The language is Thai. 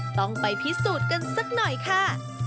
ต้องไปพิสูจน์กันสักหน่อยค่ะ